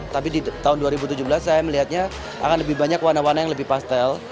tapi di tahun dua ribu tujuh belas saya melihatnya akan lebih banyak warna warna yang lebih pastel